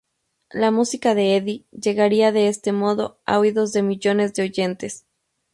La música de Eddie, llegaría de este modo, a oídos de millones de oyentes.